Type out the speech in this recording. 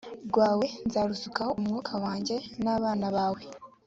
rwawe nzarusukaho umwuka wanjye n abana bawe